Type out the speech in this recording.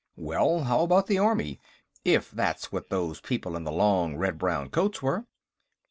"Well, how about the army, if that's what those people in the long red brown coats were?"